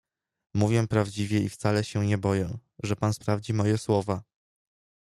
"Mówię prawdziwie i wcale się nie boję, że pan sprawdzi moje słowa."